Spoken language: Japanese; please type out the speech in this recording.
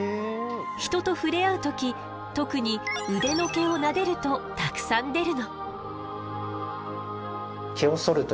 人と触れ合う時特に腕の毛をなでるとたくさん出るの。